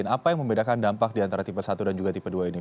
apa yang membedakan dampak di antara tipe satu dan juga tipe dua ini